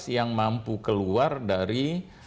yang mampu keluar dari